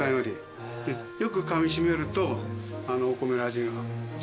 よくかみしめるとお米の味が伝わってくる。